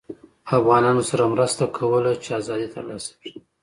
افغانانوسره مرسته کوله چې ازادي ترلاسه کړي